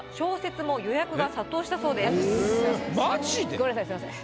ごめんなさいすみません。